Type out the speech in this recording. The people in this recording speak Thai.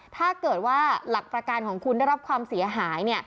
ถ้าเกิดว่าหลักประการของคุณได้รับความเสียหาย